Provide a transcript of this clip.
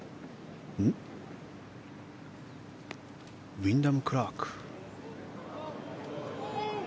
ウィンダム・クラーク。